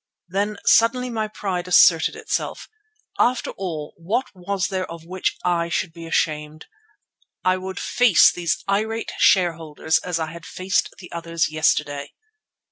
Then suddenly my pride asserted itself. After all what was there of which I should be ashamed? I would face these irate shareholders as I had faced the others yesterday.